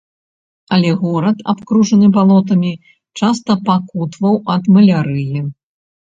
Але горад, абкружаны балотамі, часта пакутаваў ад малярыі.